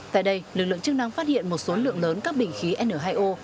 tại đây lực lượng chức năng phát hiện một số lượng lớn các bình khí n hai o